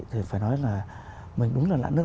thì phải nói là mình đúng là lãng nước